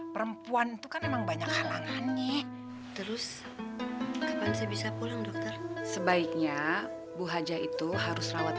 perempuan tukan emang banyak kalahannya terus tuhan jadi sebaiknya bu haji itu harus rawat